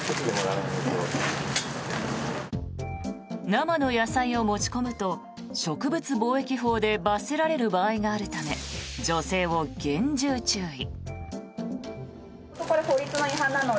生の野菜を持ち込むと植物防疫法で罰せられる場合があるため女性を厳重注意。